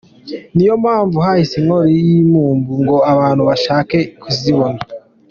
Ni yo mpamvu nahise nkora iyi Album ngo abantu babashe kuzibona.